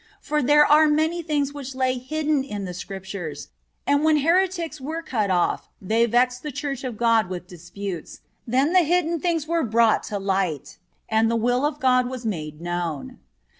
For there are many things which lay hidden in the Scriptures, and when heretics were cut off they vexed the Church of God with disputes; then the hidden things were brought to light, and the will of God was made known."